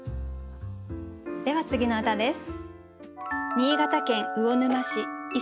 では次の歌です。